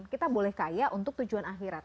kita boleh kaya untuk tujuan akhirat